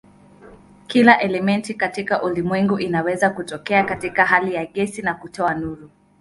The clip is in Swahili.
Kila elementi katika ulimwengu inaweza kutokea katika hali ya gesi na kutoa nuru.